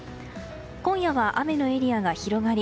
今夜は雨のエリアが広がり